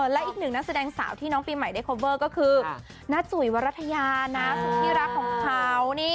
และอีกหนึ่งนักแสดงสาวที่น้องปีใหม่ได้โคเวอร์ก็คือน้าจุ๋ยวรัฐยานะสุดที่รักของเขา